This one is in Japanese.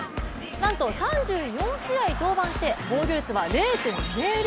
なんと３４試合登板して防御率は０．００。